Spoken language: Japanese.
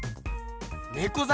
ねこざ